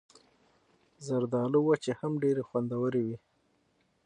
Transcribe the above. زردالو وچې هم ډېرې خوندورې وي.